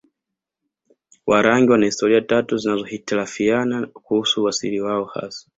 Warangi wana historia tatu zinazohitilafiana kuhusu uasili wao hasa